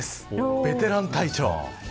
ベテラン隊長。